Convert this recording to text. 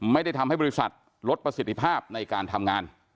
ไม่ได้ทำให้บริษัทลดประสิทธิภาพในการทำงาน